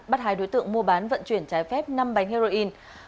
bắt hai đối tượng mua bán vận chuyển trái phép năm bánh heroin